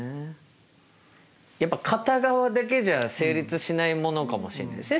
やっぱ片側だけじゃ成立しないものかもしれないですね